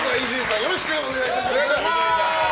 よろしくお願いします。